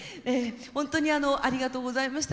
ほんとにありがとうございました。